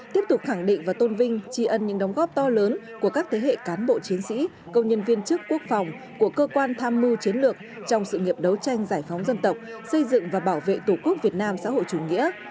tiếp tục khẳng định và tôn vinh tri ân những đóng góp to lớn của các thế hệ cán bộ chiến sĩ công nhân viên chức quốc phòng của cơ quan tham mưu chiến lược trong sự nghiệp đấu tranh giải phóng dân tộc xây dựng và bảo vệ tổ quốc việt nam xã hội chủ nghĩa